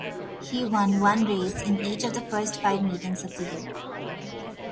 He won one race in each of the first five meetings of the year.